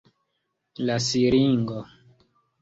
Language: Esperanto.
La siringo.